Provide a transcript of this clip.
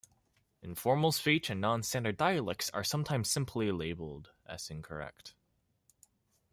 Informal speech and non-standard dialects are sometimes simply labelled as incorrect.